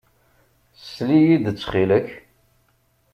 Sel-iyi-d, ttxil-k.